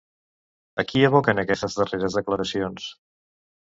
A qui evoquen aquestes darreres declaracions?